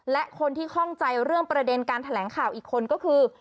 และคนที่ข้องใจเรื่องประเด็นการแถลงข่าวอีกคนก็คือ